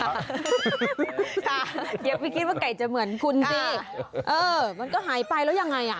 อย่าไปคิดว่าไก่จะเหมือนคุณสิเออมันก็หายไปแล้วยังไงอ่ะ